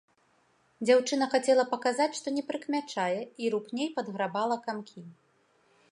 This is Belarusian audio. Дзяўчына хацела паказаць, што не прыкмячае, і рупней падграбала камкі.